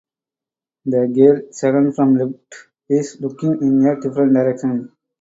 The girl second from left is looking in a different direction.